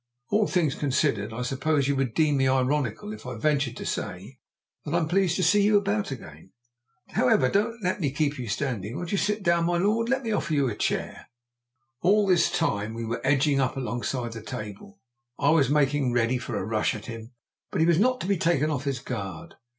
"All things considered, I suppose you would deem me ironical if I ventured to say that I am pleased to see you about again. However, don't let me keep you standing; won't you sit down? My lord, let me offer you a chair." All this time we were edging up alongside the table, and I was making ready for a rush at him. But he was not to be taken off his guard.